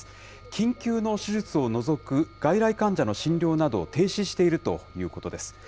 緊急の手術を除く外来患者の診療などを停止しているということです。